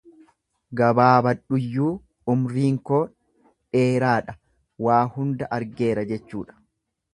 Gabaabadhuyyuu umriin koo dheeraadha waa hunda argeera jechuudha.